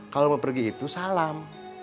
kalau mau pergi itu salam